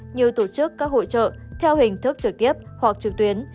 như tổ chức các hội trợ theo hình thức trực tiếp hoặc trực tuyến